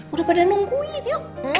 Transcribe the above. udah pada nungguin yuk